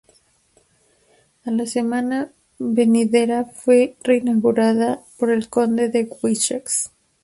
A la semana venidera fue reinaugurada por el Conde de Wessex.